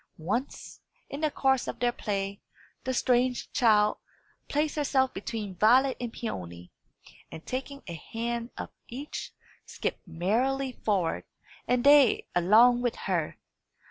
Once, in the course of their play, the strange child placed herself between Violet and Peony, and taking a hand of each, skipped merrily forward, and they along with her.